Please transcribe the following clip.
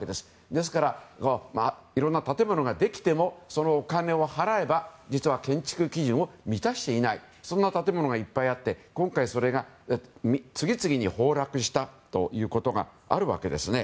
ですからいろんな建物ができてもそのお金を払えば建築基準を満たしていないそんな建物がいっぱいあって今回、それが次々に崩落したということがあるわけです。